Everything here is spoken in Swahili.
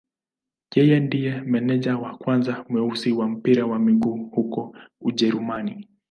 Yeye ndiye meneja wa kwanza mweusi wa mpira wa miguu huko Ujerumani.